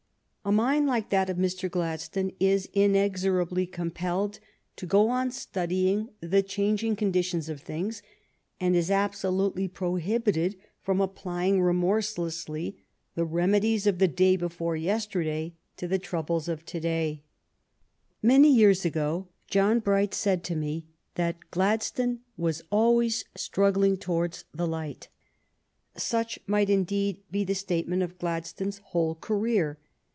A mind like that of Mr. Gladstone is inex orably compelled to go on studying the changing conditions of things, and is absolutely prohibited from applying remorselessly the remedies of the day before yesterday to the troubles of to day, Many years ago John Bright said to me that Glad stone was "always struggling towards the light." Such might indeed be the statement of Gladstone s whole career.